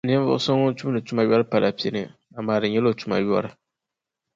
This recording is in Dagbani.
Ninvuɣ’ so ŋun tumdi tuma yɔri pala pini, amaa di nyɛla o tuma yɔri.